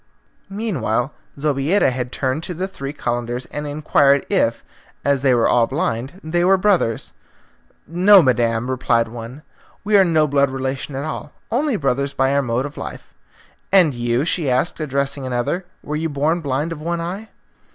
Meanwhile Zobeida had turned to the three Calenders and inquired if, as they were all blind, they were brothers. "No, madam," replied one, "we are no blood relations at all, only brothers by our mode of life." "And you," she asked, addressing another, "were you born blind of one eye?"